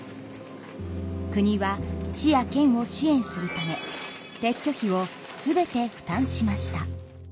国は市や県を支援するため撤去費を全て負担しました。